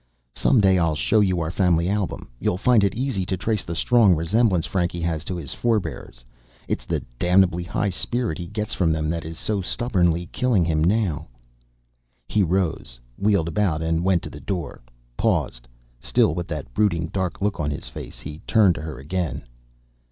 Some day I'll show you our family album. You'll find it easy to trace the strong resemblance Frankie has to his forebears. Its the damnably high spirit he gets from them that is so stubbornly killing him now." He rose, wheeled about and went to the door. Paused. Still with that brooding dark look on his face he turned to her again.